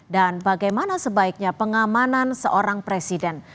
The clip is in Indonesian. dan bagaimana sebaiknya pengamanan seorang presiden